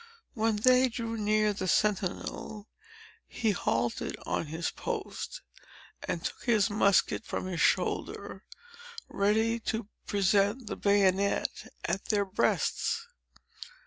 When they drew near the sentinel, he halted on his post, and took his musket from his shoulder, ready to present the bayonet at their breasts.